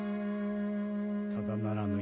ただならぬ